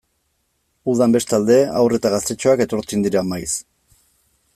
Udan, bestalde, haur eta gaztetxoak etortzen dira maiz.